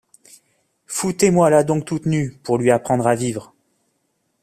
Foutez-moi-la donc toute nue, pour lui apprendre à vivre!